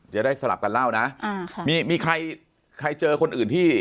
จะได้สลับกันเล่านะอ่าค่ะมีมีใครใครเจอคนอื่นที่